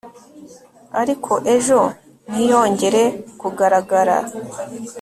ariko ejo ntiyongere kugaragara